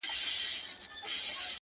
وایه راته وایه د لیلی غمونه څنګه وو